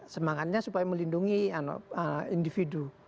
semangatnya supaya melindungi individu